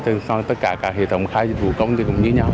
tất cả các hệ thống khai vụ công thì cũng dễ nhỏ